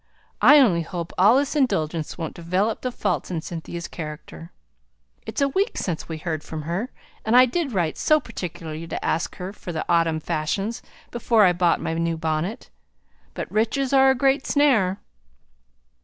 I only hope all this indulgence won't develope the faults in Cynthia's character. It's a week since we heard from her, and I did write so particularly to ask her for the autumn fashions before I bought my new bonnet. But riches are a great snare."